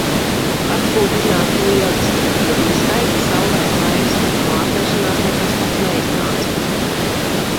Atpūta iznāca lieliska, jo bija skaists, saulains laiks, bet no ārstēšanās nekas labs neiznāca.